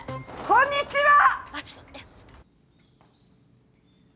こんにちは。